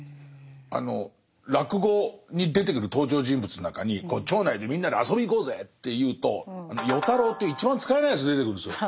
あの落語に出てくる登場人物の中に町内でみんなで遊びに行こうぜっていうと与太郎っていう一番使えないやつ出てくるんですよ。